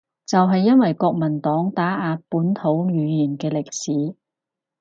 就係因為國民黨打壓本土語言嘅歷史